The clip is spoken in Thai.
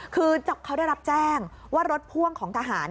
คือเขาได้รับแจ้งว่ารถพ่วงของทหาร